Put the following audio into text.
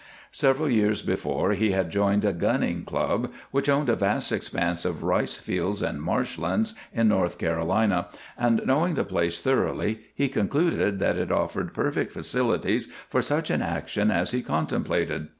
Several years before he had joined a gunning club which owned a vast expanse of rice fields and marsh lands in North Carolina, and, knowing the place thoroughly, he concluded that it offered perfect facilities for such an action as he contemplated.